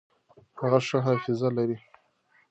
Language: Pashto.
هغه ښه حافظه لري.